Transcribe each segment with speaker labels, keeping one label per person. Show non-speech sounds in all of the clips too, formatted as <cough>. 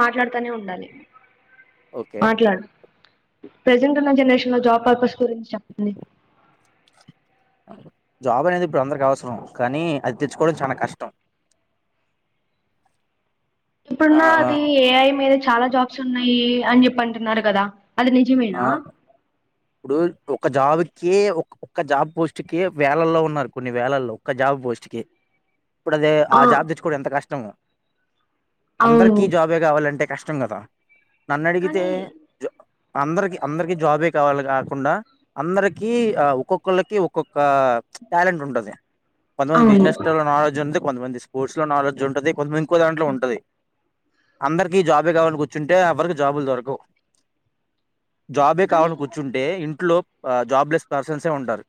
Speaker 1: మాట్లాడుతానే ఉండాలి
Speaker 2: ఓకే
Speaker 1: మాట్లాడు ప్రజెంట్ ఉన్న జనరేషన్ లో జాబ్ పర్పస్ గురించి చెప్పండి
Speaker 2: జాబ్ అనేది ఇప్పుడు అందరికి అవసరం కానీ అది తెచ్చుకోవడం చాలా కష్టం ఆ
Speaker 1: ఇప్పుడున్న అది ఏఐ మీద చాలా జాబ్స్ ఉన్నాయి అని చెప్పి అంటున్నారు కదా అది
Speaker 2: ఆ
Speaker 1: నిజమేనా
Speaker 2: ఇప్పుడు ఒక జాబ్ కి ఒక్క జాబ్ పోస్ట్ కి వేలల్లో ఉన్నారు కొన్ని వేళల్లో ఒక్క జాబ్ పోస్ట్కి
Speaker 1: అ
Speaker 2: ఇప్పుడు అదే ఆ జాబ్ తెచ్చుకోవడం ఎంత కష్టము
Speaker 1: అవును
Speaker 2: అందరికి జాబే కావాలంటే కష్టం కదా నన్ను అడిగితే
Speaker 1: కానీ
Speaker 2: అందరికి అందరికి జాబే కావాలి కాకుండా అందరికి ఆ ఒక్కొక్కళ్ళకి ఒక్కొక్క ఒక టాలెంట్ ఉంటుది కొంతమందికి
Speaker 1: అవును
Speaker 2: బిజినెస్ నాలెడ్జ్ ఉంటు కొంతమంది స్పోర్ట్స్ లో నాలెడ్జ్ ఉంటది కొంతమంది ఇంకో దాట్లో ఉంటుది అందరికీ జాబే కావలని కూర్చుంటే అవరకు జాబులు దొరకవు జాబే
Speaker 1: కానీ
Speaker 2: కావాలని కూర్చుంటే ఇంట్లో జాబ్లెస్ పర్సన్సే ఉంటారు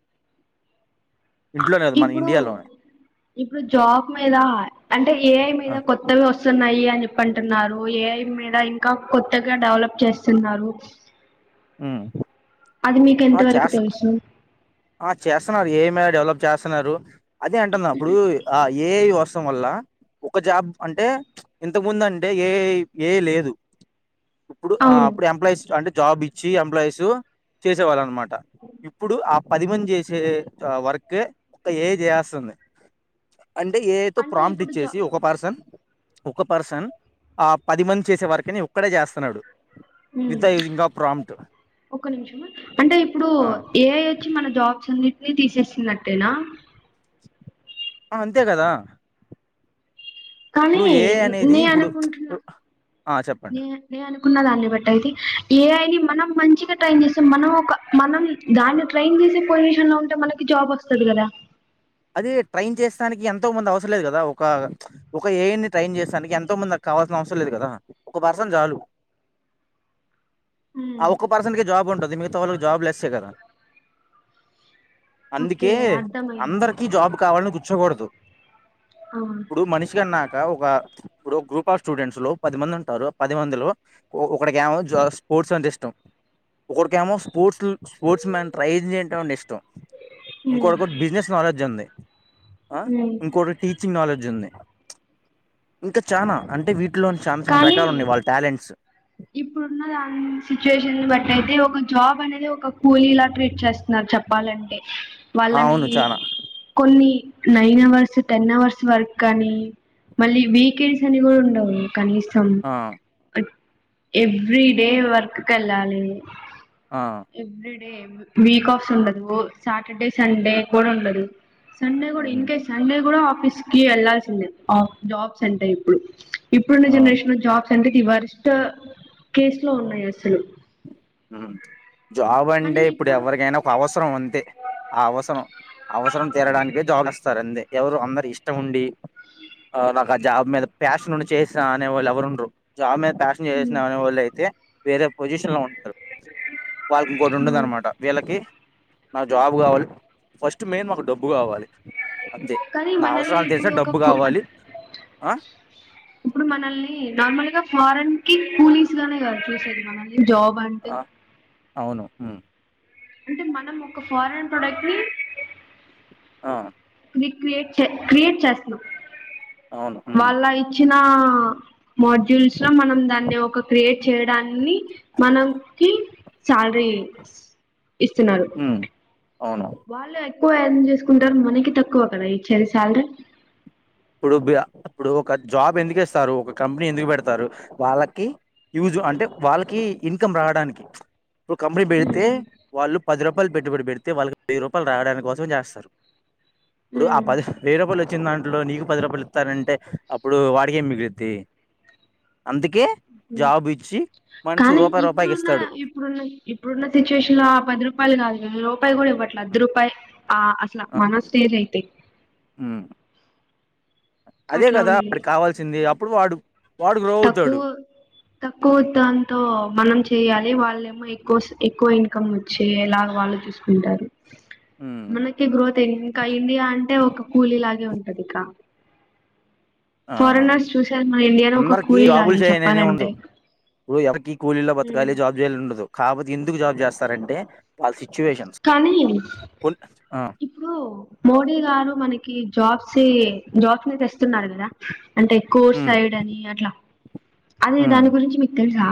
Speaker 2: ఇంట్లోనే కదు మన
Speaker 1: ఇప్పుడు
Speaker 2: ఇండియాలోనే
Speaker 1: ఇప్పుడు జాబ్ మీద అంటే ఏఐ
Speaker 2: ఆ
Speaker 1: మీద కొత్తవి వస్తునా న్నాయి అని చెప్ప అంటున్నారు ఏఐ మీద ఇంకా కొత్తగా డెవలప్ చేస్తున్నారు
Speaker 2: ఆ
Speaker 1: అది మీకు ఎంత
Speaker 2: ఆ
Speaker 1: వరకు
Speaker 2: చేస్త
Speaker 1: తెలుసు
Speaker 2: ఆ చేస్తున్నారు ఏ ఐ డెవలప్ చేస్తున్నారు అదే అంటన్న అప్పుడు ఏ ఐ వ వల్ల ఒక జాబ్ అంటే ఇంతకుముందు అంటే ఏ ఐ ఏ ఐ లేదు ఇప్పుడు
Speaker 1: అవును
Speaker 2: అప్పుడు ఎంప్లాయీస్ అంటే జాబ్ ఇచ్చి ఎంప్లాయీస్ చేసే వాళ్ళ అనమాట ఇప్పుడు ఆ పదిమంది చేసే వర్క్ ఒక ఏ ఐ చేస్తుంది అంటే ఏ ఐ తో
Speaker 1: అంటే
Speaker 2: ప్రామ్ట్
Speaker 1: ఇప్పుడు జా
Speaker 2: ఇచ్చేసి ఒక పర్సన్ ఒక పర్సన్ ఆ పది మంది చేసే వర్క్ ను ఒక్కడే చేస్తున్నాడు with
Speaker 1: um
Speaker 2: the using the prompt
Speaker 1: ఒక్క నిమిషం అంటే ఇప్పుడు ఏ ఐ వచ్చి మన జాబ్స్ అన్నిటిని తీసేస్తున్నట్టేనా
Speaker 2: ఆ అంతే కదా
Speaker 1: కానీ
Speaker 2: ఇప్పుడు ఏ అనేది
Speaker 1: నే
Speaker 2: ఇప్పుడు
Speaker 1: అనుకుంటున్నా
Speaker 2: ఆ చెప్పండి
Speaker 1: నే నే అను న్న దాన్ని బట్టి అయి ఏఐ మనం మంచిగా ట్రైన్ చేస్తే మనం ఒక మనం దాన్ని ట్రైన్ పషన్ లో ఉంటే మన జబ్ వ కదా
Speaker 2: అది ట్రైన్ చేస్తానికి ఎంతో మంది అవసరం లేదు కదా ఒక ఒక ఏని ట్రైన్ చేస్తానికి ఎంతో మంది కావాల్సిన అవసరం లేదు కదా ఒక పర్సన్ చాలు
Speaker 1: <unintelligible> ఉమ్
Speaker 2: ఆ ఒక్క పర్సన్కి జాబ్ ఉంటుంది మిగతా వాళ్ళకి జాబ్ లెస్ే కదా
Speaker 1: <unintelligible>
Speaker 2: అందుకే
Speaker 1: అర్థమైంది
Speaker 2: అందరు జాబ్ కావాలని కూర్చకూడదు
Speaker 1: ఆ ఉమ్
Speaker 2: ఇప్పుడు మనిషి కన్నా ఒక ఇప్పుడు గ్రూప్ ఆఫ్ స్టూడెంట్స్ లో పది మంది ఉంటారు పది మందిలో ఒకడికి ఏమో స్పోర్ట్స్ అంటే ఇష్టం ఒకరికేమో స్పోర్ట్స్ స్పోర్ట్స్ మ్యాన్ ట్రై చేయడం ఇష్టం ఇంకోొకటి బిజినెస్ నాలెడ్జ్ ఉంది
Speaker 1: ఉమ్
Speaker 2: ఇంకోటి టీచింగ్ నాలెడ్జ్ ఉంది ఇంకా చాలనా అంటే వీటిలోని చాలా చాలా
Speaker 1: కానీ
Speaker 2: రకాలు ఉన్నాయి వాళ్ళ టాలెంట్స్
Speaker 1: ఇప్పుడున్న దాని సిచ్యుయేషన్ బట్టి అయితే ఒక జాబ్ అనేది ఒక కూలీలా ట్రీట్ చేస్తున్నారు చెప్పాలంటే
Speaker 2: ఆ
Speaker 1: వాళ్ళని
Speaker 2: అవును చానా
Speaker 1: కొన్ని nine hours ten hours work కానీ మళ్ళీ వీకెండ్స్ అని కూడా ఉండవు కనీసం
Speaker 2: ఆ
Speaker 1: ఎవ్రీ డే వర్క్కి వెళ్ళాలి
Speaker 2: ఆ
Speaker 1: ఎవ్రీ డే వీక్ ఆఫ్స్ ఉండదు సాటర్డే సండే కూడా ఉండదు సండే కూడా ఇన్
Speaker 2: మ్మ్
Speaker 1: కేేస్ సండే కూడా ఆఫీస్ కి వెళ్లాాల్సిందే జాబ్స్ అంటే ఇప్పుడు ఇప్పుడున్న
Speaker 2: ఆ
Speaker 1: జనరేషన్ లో జాబ్స్ అంట వరిష్ట కేసు లో ఉన్నాయి అసలు
Speaker 2: జాబ్ అంటే ఇప్పుడు ఎవరికైనా ఒక అవసరం ఉంతే ఆ అవసరం అవసరం తీేరడానికే జాగిస్తారు అే ఎవరు అందరు ఇష్టం ఉండి ఆ ఇ జాబ్ మీద ప్యాషన్ ఉండి చేసిన అనే వాళ్ళు ఎవరు ఉండరు జాబ్ మీద ప్యాషన్ చేసినా అనేవాళ్ళు అయితే వేరే పొజిషన్ లో ఉండారు వాళ్ళకి ఇంకోటి ఉండద అనమాట వీళ్ళకి నా జాబ్ కావాలి ఫస్ట్ మెయిన్ మాకు డబ్బు కావాలి అంతే
Speaker 1: కానీ
Speaker 2: నా
Speaker 1: మనల్ని
Speaker 2: అవసరాలు తెలిసా
Speaker 1: ఇప్పుడు
Speaker 2: డబ్బు
Speaker 1: ఒక
Speaker 2: కావాలి ఆ
Speaker 1: ఇప్పుడు మనల్ని నార్మల్ గా ఫ మనికి పోలీసు గానే కాదు చూసేది మన జాబ్ అంటే
Speaker 2: ఆ అవును
Speaker 1: అంటే మనం ఒక ఫారెన్ ప్రోడక్ట్ ని
Speaker 2: ఆ
Speaker 1: ర క్రియేట్ క్రియేట్ చేస్తుాం
Speaker 2: అవును ఉమ్
Speaker 1: వాళ్ళ ఇచ్చిన మోడ్యూల్స్ లో మనం దాన్ని ఒక క్రియేట్ చేయడాన్ని మనకి శాలరీ ఇస్తున్నారు
Speaker 2: అవునా
Speaker 1: తక్కువ ం చేసుకుంటారు మనకి తక్కువ కదా ఈ చది సాలర
Speaker 2: ఇప్పుడు ఇప్పుడు ఒక జాబ్ ఎందుకు ఇస్తారు ఒక కంపెనీ ఎందుకు పెడతారు వాళ్ళకి యూజు అంటే వాళ్ళకి ఇన్కమ్ రావడానికి ఇప్పుడు కంపెనీ పెడితే వాళ్ళు పది రూపాయలు పెట్టుబడి పెడిారు వాళ్ళకి వెయ్యి రూపాయలు రావడానికి కోసం చేస్తారు ఇప్పుడు ఆ
Speaker 1: ఉమ్
Speaker 2: పది వెయ్యి రూపాయలు వచ్చిన దాంట్లో నీకు పది రూపాయలు ఇస్తారంటే అప్పుడు వాడికేమి మిగిలిది అందుకే
Speaker 1: ఉమ్
Speaker 2: జాబిజ్
Speaker 1: కానీ ఇప్పుడున్న ఇప్పుడున్న ఇప్పుడున్న సిచ్యువేషన్ లో ఆ పది రూపాయలు కాదు వ రూపాయలు కూడా ట్లా ద రూపాయ అసలా
Speaker 2: ఆ,
Speaker 1: మన స్టేజయితే
Speaker 2: అదే
Speaker 1: అట్లా
Speaker 2: కదా
Speaker 1: ఉంది
Speaker 2: వాడికి కావాల్సింది అప్పుడు వాడు వాడుకు రా
Speaker 1: తక్కువ
Speaker 2: అవుతాడు
Speaker 1: తక్కువ దాంతో మనం చెయాలి వాళ్ళేమో ఎక్కువ ఎక్కువ ఇన్కమ్ వచ్చి ఎలా కు
Speaker 2: ఉమ్.
Speaker 1: మనకి గ్రోత్ ఇంకా ఇండియా అంటే ఒక కూలీ లా ఉంటది ఫారినర్స్ చూస మన ఇండియాలో ఒక కూలీ
Speaker 2: రాబులు
Speaker 1: లాగే
Speaker 2: చేయ ననే
Speaker 1: చెప్పాలంటే
Speaker 2: ఉండదు ఇప్పుడు ఎవకి స్కూలీల్లో బతకాల జాబ్ చేయాల ఉండదు కాబపో ఎందుకు జాబ్ చేస్తారంటే ప
Speaker 1: కానీ
Speaker 2: ఆ
Speaker 1: ఇప్పుడు మోడీ గారు మనకి జాబ్స్ జాబ్స్ ని తెస్త కదా అంటే కోర్
Speaker 2: ఉమ్
Speaker 1: సైడ్ అని అట్లా అది
Speaker 2: ఉమ్
Speaker 1: దాని గురించి మీకు తె చ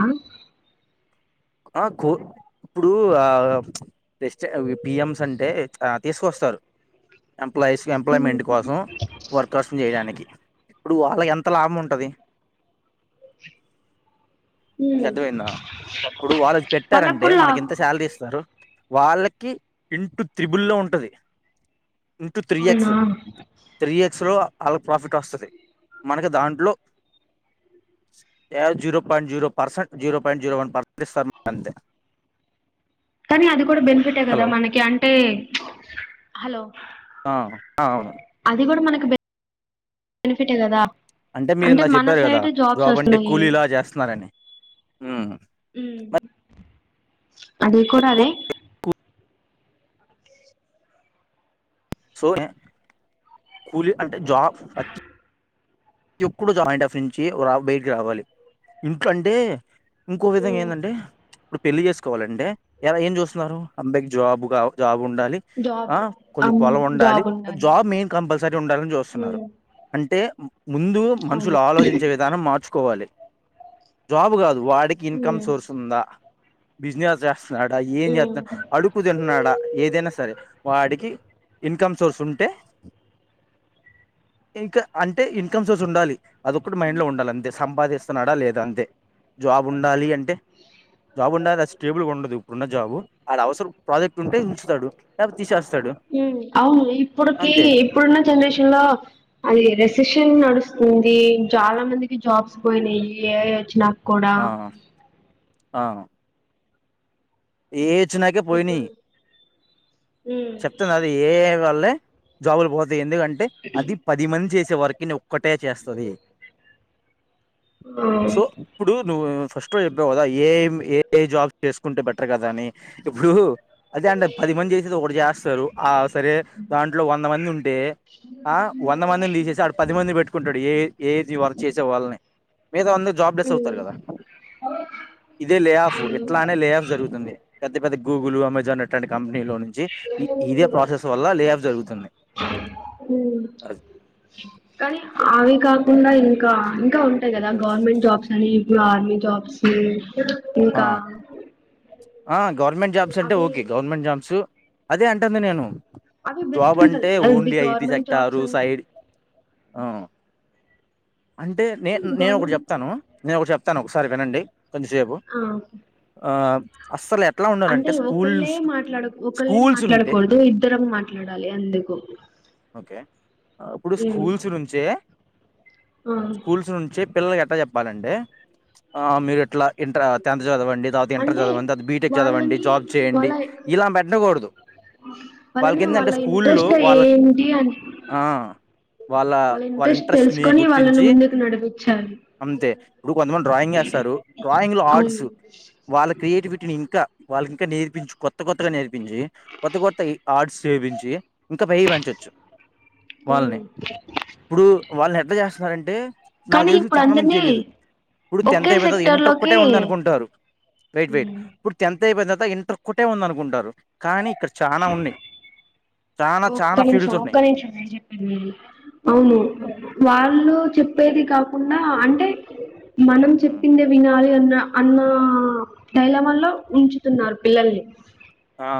Speaker 2: ఆ కో ఇప్పుడు ఆస్ పిఎమ్స్ అంటే తీసుకొస్తారు ఎంప్లాయీస్కి
Speaker 1: ఉమ్,
Speaker 2: ఎంప్లాయ్మెంట్ కోసం వర్కర్స్ని చేయడానికి ఇప్పుడు వాళ్ళకి ఎంత లాభం ఉంటది
Speaker 1: హూ
Speaker 2: మీకు అర్థమైందా ఇప్పుడు వాళ్ళది పెట్టారంటే మనకి ఎంత శాలరీ ఇస్తారు వాళ్ళకి ఇంటూ త్రిబుల్లో ఉంటది ఇంటూ త్రీ
Speaker 1: అవునా
Speaker 2: ఎక్స్ త్రీ ఎక్స్ లో వాళ్లకు ప్రాఫిట్ వస్తది మనకి దాంట్లో zero point zero percent zero point zero one percent <unintelligible> అంతే
Speaker 1: కానీ అది కూడా బెనిఫిటే కదా
Speaker 2: హలో
Speaker 1: మనకి అంటే హలో
Speaker 2: ఆ అవును
Speaker 1: ఇది కూడా మనకు బెనిఫి బెనిఫిట్ఎ కదా
Speaker 2: అంటే మీరు ఇందాక
Speaker 1: మన
Speaker 2: చెప్పారు కదా
Speaker 1: సైడ్
Speaker 2: జాబ్ అంటే కూలీలా చేస్తున్నారని ఉమ్.
Speaker 1: హుమ్
Speaker 2: మరి
Speaker 1: అది కూడా అదే
Speaker 2: కూ- కూ- సో కూలీ అంటే జాబ్ ఎప్పుడు నుంచి బయటికి రావాలి ఇంట్లో అంటే ఇంకో విధంగా
Speaker 1: ఉమ్,
Speaker 2: ఏందంటే ఇప్పుడు పెళ్లి చేసుకోవాలంటే ఎలా ఏం చూస్తున్నారు అబ్బాయికి జాబ్ కా జాబ్ ఉండాలి ఆ
Speaker 1: జాబ్
Speaker 2: కొంచెం
Speaker 1: అమ్,
Speaker 2: పొలం ఉండాలి
Speaker 1: జాబ్
Speaker 2: జాబ్ మెయిన్ కంపల్సరీ ఉండాలని చూస్తున్నారు
Speaker 1: ఉమ్,
Speaker 2: అంటే ముందు మనుషులు
Speaker 1: అవును
Speaker 2: ఆలోచించే విధానం మార్చుకోవాలి జాబ్ కాదు వాడికి ఇన్కమ్
Speaker 1: ఉమ్,
Speaker 2: సోర్స్ ఉందా బిజినెస్ చే స్తున్నాడా ఏం
Speaker 1: ఉమ్.
Speaker 2: చేస్తున్నా అడుకు తింటున్నాడా ఏదైనా సరే వాడికి ఇన్కమ్ సోర్స్ ఉంటే ఇంకా అంటే ఇ ఇన్కమ్ సోర్స్ ఉండాలి అది ఒకటి మైండ్ లో ఉండాలి అంతే సంపాదిస్ స్తున్నాడా లేదా అంతే జాబ్ ఉండాలి అంటే జాబ్ ఉండాల అది స్టేబుల్గా ఉండదు ఇప్పుడున్న జాబ్ అది అవసరం ప్రాజెక్ట్ ఉంటే ఉంచుతాడు లేపో తీసేస్తాడు
Speaker 1: హూ అవును ఇప్పుడుకి
Speaker 2: అంతే
Speaker 1: ఇప్పుడున్న జనరేషన్ లో అది రెసెషన్ నడుస్తు చాలా మందికి జాబ్స్ పోయినాయి ఏ ఐ వచ్చినాక్కూడ
Speaker 2: ఆ ఆ ఏఐ వచ్చినాకే పోయినాయి
Speaker 1: ఇప్పుడు ఉమ్,
Speaker 2: చెప్తున్న అది ఏఐ వల్లే జాబులు పోతాయి ఎందుకంటే అది పది మంది చేసే వర్క్ ని ఒక్కటే చేస్తది
Speaker 1: ఆ,
Speaker 2: సో ఇప్పుడు నువ్వు ఫస్ట్ లో చెప్పావు కదా ఏఐ మ్ ఏఐ జాబ్ చేసుకుంటే బెటర్ కదా అని ఇప్పుడు అదే అంటే పది మంది చేసేది ఒకటి చేస్తారు ఆ సరే దాంట్లో వంద మంది ఉంటే ఆ వంద మందిని తీసేసి అడ పది మంది పెట్టుకుంటాడు వర్క్ చేసే వాళ్ళని లేదా అందరు జాబ్ లెస్ అవుతారు
Speaker 1: ఉమ్,
Speaker 2: కదా ఇదే లే ఆఫ్ ఇట్లనే లే ఆఫ్ జరుగు పెద్ద పెద్ద గూగులు అమెజాన్ అట్లాంటి కం పెనీలో నుంచి ఇదే ప్రాసెస్ వల్ల లేఆఫ్ జరుగుతుంది అది
Speaker 1: కానీ అవి కాదు గాకుండా ఇంకా ఇంకా ఉంటాయి కదా
Speaker 2: అది
Speaker 1: గవర్నమెంట్ జాబ్స్ అని ఇప్పుడు ఆర్మీ జాబ్స్
Speaker 2: ఆ
Speaker 1: ఇంకా
Speaker 2: ఆ గవర్నమెంట్ జాబ్స్ అంటే
Speaker 1: అవి
Speaker 2: ఓకే గవర్నమెంట్ జాబ్స్ అదే అంటంది నేను
Speaker 1: అవి బెస్ట్
Speaker 2: జాబ్
Speaker 1: ఉంటది
Speaker 2: అంటే
Speaker 1: కదా ఇది
Speaker 2: only IT
Speaker 1: government jobs
Speaker 2: sector
Speaker 1: అంటే
Speaker 2: సైడ్ ఆ అంటే నే నేను ఒకటి
Speaker 1: గవర్నమెంట్
Speaker 2: చెప్తాను నేను ఒకటి చెప్తాను ఒకసారి వినండి కొంచెం సేపు
Speaker 1: ఆ ఓకే
Speaker 2: ఆ అస్సల్
Speaker 1: అంటే ఒకళ్ళే మాట్లాడ ఒకళ్ళే
Speaker 2: స్కూల్స్ ఉంటే
Speaker 1: మాట్లాడకూడదు ఇద్దరం మాట్లాడాలి అందుకు
Speaker 2: ఓకే ఇప్పుడు
Speaker 1: ఉమ్
Speaker 2: స్కూల్స్ నుంచే
Speaker 1: ఆ
Speaker 2: స్కూల్స్ నుంచే పిల్లలకి ఎట్లా చెప్పాలంటే ఆ మీరు ఇట్లా ఇంటర్ టెన్త్ చదవండి తర్వాత ఇంటర్
Speaker 1: అంటే
Speaker 2: చదవండి అది బీటెక్ చదవండి
Speaker 1: వాళ్ళని
Speaker 2: జాబ్
Speaker 1: వాళ్ళ
Speaker 2: చేయండి ఇలా పెట్టకూడదు
Speaker 1: వాళ్ళని
Speaker 2: వాళ్లకేందంటే
Speaker 1: వాళ్ళ
Speaker 2: స్కూల్లో
Speaker 1: ఇంట్రెస్ట్
Speaker 2: వాళ్ళ
Speaker 1: ఏంటి అని
Speaker 2: ఆ వాళ్ళ వాళ్ళ ఇంట్రెస్ట్ ని
Speaker 1: తీకొని వాళ్ళని
Speaker 2: గుర్తించి
Speaker 1: ముందుకు నడిపించాలి
Speaker 2: అంతే ఇప్పుడు కొంతమంది డ్రాయింగ్ ఎస్తారు డ్రాయింగ్ లో
Speaker 1: అవును
Speaker 2: ఆర్ట్స్ వాళ్ళ క్రియేటివిటీ ఇంకా వాళ్ళకి ఇంకా నేర్పించు కొత్త కొత్తగా నేర్పించి కొత్త కొత్త యి ఆర్డ్స్ చేపించి ఇంకా పైకి పంచోచ్చు వాళ్ళని
Speaker 1: ఉమ్
Speaker 2: ఇప్పుడు వాళ్ళని ఎట్లా చేస్తున్నారంటే నాకు
Speaker 1: కానీ
Speaker 2: తెలిసి
Speaker 1: ఇప్పుడు
Speaker 2: చాలా మందికి
Speaker 1: అందరినీ
Speaker 2: తెలీయదు ఇప్పుడు టెన్త్
Speaker 1: ఒకే
Speaker 2: అయిపోతది
Speaker 1: సెక్టర్
Speaker 2: ఇంటర్ ఒక్కటే
Speaker 1: లోకి
Speaker 2: ఉంది అనుకుంటారు వెయిట్ వెయిట్
Speaker 1: ఉమ్
Speaker 2: ఇప్పుడు టెన్త్ న్త్ అయిపోయిన తరువాతఇంటర్ ఒక్కటే ఉంది అనుకుంటారు కానీ ఇక్కడ చాన ఉన్నాయ్
Speaker 1: ఒక్క నిమిషం ఒక్క నిమిషం నేను చెప్పేది విను
Speaker 2: ఆ
Speaker 1: అవును వాళ్ళు చెప్పేది కాకుండా అంటే మనం
Speaker 2: ఉమ్,
Speaker 1: చెప్పింది వినాలి అన్న డైలమాలో ఉంచుతున్నారు పిల్లల్ని
Speaker 2: ఆ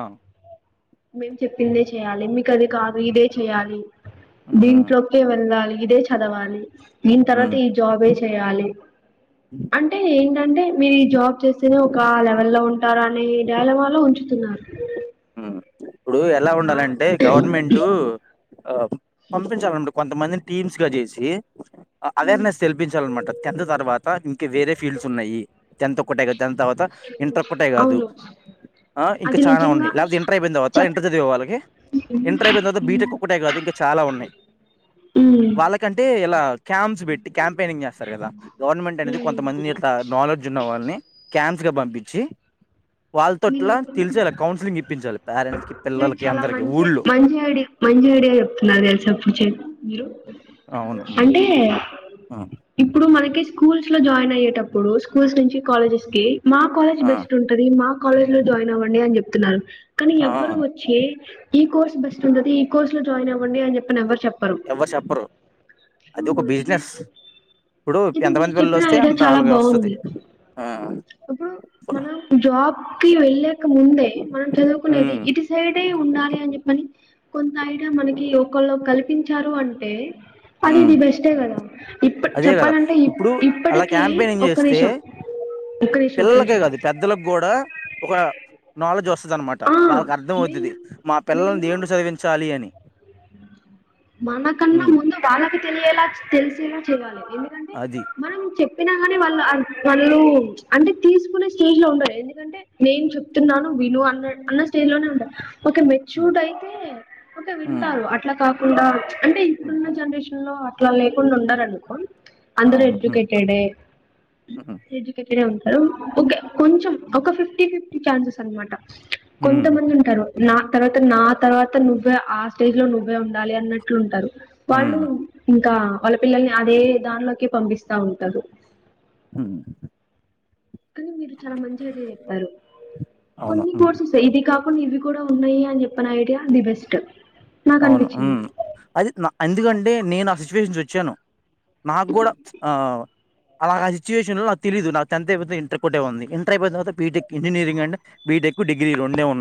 Speaker 1: మేము చెప్పిందే చెయాలి మీకు అది కాదు ఇదే చెయాలి
Speaker 2: ఉమ్
Speaker 1: దీంట్లోకే వెళ్ళాలి ఇదే చదవాలి దీని తర్వాత ఈ
Speaker 2: ఉమ్
Speaker 1: జాబే చేయాలి అంటే ఏం ఏంటే మీరు ఈ జాబ్ చేస్తేనే ఒక లెవెల్ లో ఉంటారు అనే డైలమాలో ఉంచుతున్నారు
Speaker 2: హుం ఇప్పుడు ఎలా
Speaker 1: దా
Speaker 2: ఉండాలంటే గవర్నమెంటట్ ఆ పంపించాలన్నమాట్ కొంతమందిని టీమ్స్ గా చేసి అవేర్నెస్ తెల్పించాలన్నమాట టెన్త్ తర్వాత ఇంకా వేరే ఫీల్డ్స్ ఉన్నాయి టెన్త్ ఒక్కటే గ దాని తర్వాత ఇంటర్క్కటే కాదు
Speaker 1: అవును
Speaker 2: ఆ ఇంకా
Speaker 1: అది
Speaker 2: చనా ఉన్నాయి
Speaker 1: నిజంగా
Speaker 2: లేకపోతే ఇంటర్ అయిపోయిన తరువాత
Speaker 1: చెప్
Speaker 2: ఇంటర్ చదివే వాళ్ళకి ఇంటర్ అయిపోయిన తర్వాత బీటెక్ ఒక్కటే కాదు ఇంకా చాలా ఉన్నాయ్
Speaker 1: మ్
Speaker 2: వాళ్ళకంటే ఇలా క్యాంప్స్ పెట్టి క్యాంపెయినింగ్ చేస్తారు కదా గవర్నమెంట్ అనేది కొంతమందిని ఇట్లా నాలెడ్జ్ ఉన్న వాళ్ళని క్యాన్స్ గా పంపించి వాళ్ళతోట్ల తెలిసేల కౌన్సిలింగ్ ఇప్పించాలి పె
Speaker 1: మీరు చాలా మంచిగా మంచి మంచి ఐడియా చెప్తున్నారు తెలిసా పూచ్ మీరు
Speaker 2: అవును. హ్మ్.
Speaker 1: అంటే
Speaker 2: ఆ
Speaker 1: ఇప్పుడు మనకే స్కూల్స్ లో జాయిన్ అయ్యేటప్పుడు స్కూల్స్ నుంచి కాలేజెస్ కి మా కాలేజ్
Speaker 2: ఆ
Speaker 1: బెస్ట్ ఉంటది మా కాలేజ్ లో జాయిన్ అవ్వండి అని చెప్తున్నారు కానీ
Speaker 2: ఆ
Speaker 1: ఎవ్వరు వచ్చి ఈ కోర్స్ బెస్ట్ ఉంటది ఈ కోర్స్ లో జాయిన్ అవ్వండి అని చెిప్పని ఎవర్ చెప్
Speaker 2: ఎవరు చెప్పరు అది ఒక
Speaker 1: ఇది
Speaker 2: బిజినెస్ ఇప్పుడు
Speaker 1: ఇది
Speaker 2: ఎంతమంది పిల్లలు వస్తే అంత అలాగే వస్తది ఆ
Speaker 1: అప్పుడు మన జాబ్ కి వెళ్ళక ముందే మనం చదువుకునేది
Speaker 2: ఉమ్
Speaker 1: ఇటు సైడే ఉండాలి అని చెప్పని కొంత ఐడియా మనకి ఒకలు కల్పించారు అంటే అదే
Speaker 2: ఉమ్
Speaker 1: నీ బెస్టే కదా ఇప్
Speaker 2: అదే కదా
Speaker 1: చెప్పాలంటే
Speaker 2: ఇప్పుడు అలా
Speaker 1: ఇప్పటికిీ
Speaker 2: క్యాంపెయినింగ్
Speaker 1: ఒక్క
Speaker 2: చేస్తే
Speaker 1: నిమీషం
Speaker 2: పిల్లలకే కాదు పెద్దలకు కూడా ఒక నాలెడ్జ్ వస్ స్తదన్నమాట
Speaker 1: ఆ
Speaker 2: వాళ్ళకి అర్థం
Speaker 1: మెయిన్
Speaker 2: అవుతది మా పిల్లలని
Speaker 1: మెయిన్
Speaker 2: దేంట్లో చదివించాలి అని
Speaker 1: మనకన్నా
Speaker 2: ఉమ్
Speaker 1: ముందు వాళ్ళకి తెలియేలా తెలిసేలా చేయాలి ఎందుకంటే
Speaker 2: అది
Speaker 1: మనం చె ప్పినగాని వాళ్ళు వాళ్ళు అంటే తీసుకునే స్టేజ్ లో ఉండాలి ఎందుకంటే నేను చెప్తున్నాను విను అన్న అన్న స్టేజ్లోలోనే ఉంట్ ఒక
Speaker 2: ఉమ్
Speaker 1: మెచ్యూర్ అయితే ఒకే
Speaker 2: ఉమ్
Speaker 1: వింటారు అట్లా కాకుండా అంటే
Speaker 2: ఉమ్,
Speaker 1: ఇప్పుడున్న జనరేషన్ లో అట్లా లేకుండా ఉండారనుకో అందరు
Speaker 2: అవును ఉమ్
Speaker 1: ఎజ్యుకేటెడే
Speaker 2: ఉమ్
Speaker 1: ఒక కొంచెం ఒక ఫిఫ్టీ ఫిఫ్టీ ఛాన్సెస్ అనమాట
Speaker 2: ఉమ్
Speaker 1: కొంతమంది ఉంటారు నా తర్వాత నా తర్వాత నువ్వే ఆ స్టేజ్ లో నువ్వే ఉ ఉండాలి అన్నట్లు ఉంటారు వాళ్ళు
Speaker 2: ఉమ్
Speaker 1: ఇంకా వాళ్ళ పిల్లల్ని అదే దానిలోకి పంపిస్తా ఉంటారు
Speaker 2: హు
Speaker 1: అని మీరు చాలా మంచి అయిడియా చెప్పారు
Speaker 2: అవును
Speaker 1: కొన్ని
Speaker 2: ఉమ్
Speaker 1: కోర్సెసే ఇది కా న్ని ఇవి కూడా ఉన్నాయి అని జెప్పిన ఐడియా ది బెస్ట్ నాకు
Speaker 2: అవును ఊ
Speaker 1: అనిపించింది
Speaker 2: అది ఎందుకంటే నేను ఆ సిచ్యువేషన్ నుంచి వచ్చాను నాగ్గుడా ఆ అలా నా సిచువేషన్ లో నాకు తేలేదు నాకు టెన్త్ అయిపోతే ఇంటర్ ఒక్కటే ఉంది ఇంటర్ అయిపోతే మాత్రం బీటెక్ ఇంజనీరింగ్ అండ్ బీ టెక్కు డిగ్రీ రెండే ఉన్నాయ్